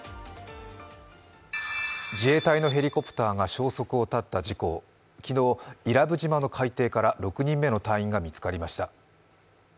自衛隊のヘリコプターが消息を絶った事故、昨日、伊良部島の海底から６人目の隊員が見つかりました。